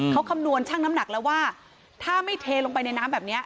เขาคำนวณช่างน้ำหนักแล้วว่าถ้าไม่เทลงไปในน้ำแบบนี้